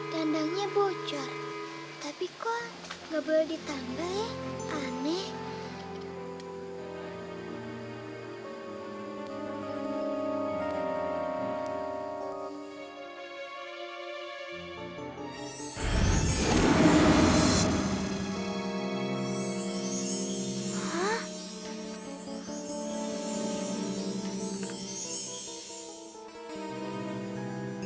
dandangnya bocor tapi kok gak boleh ditambal